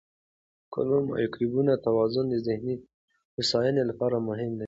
د کولمو مایکروبیوم توازن د ذهني هوساینې لپاره مهم دی.